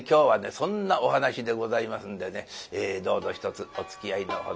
そんなお噺でございますんでねどうぞひとつおつきあいのほどを。